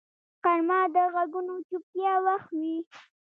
غرمه د غږونو چوپتیا وخت وي